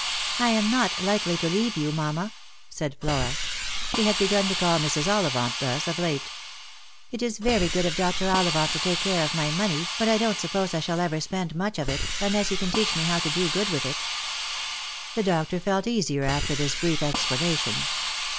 "I am not likely to leave you, mamma," said Flora; she had begun to call Mrs. Ollivant thus of late. " It is very good of Dr. Ollivant to take care of my money, but I don't suppose I shall ever spend much of it, unless he can teach me how to do good with it." The doctor felt easier after this brief explanation.